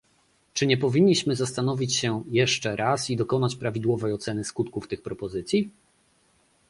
Czy nie powinniśmy zastanowić się jeszcze raz i dokonać prawidłowej oceny skutków tych propozycji?